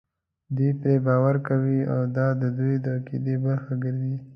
دوی پرې باور کوي او دا د دوی د عقیدې برخه ګرځي.